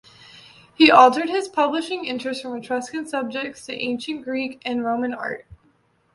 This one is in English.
He altered his publishing interests from Etruscan subjects to Ancient Greek and Roman Art.